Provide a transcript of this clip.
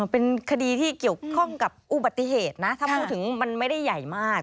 เป็นคดีที่เกี่ยวข้องกับอุบัติเหตุนะถ้าพูดถึงมันไม่ได้ใหญ่มาก